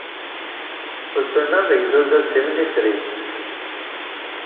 Ussan-a, Megduda d timnifrit.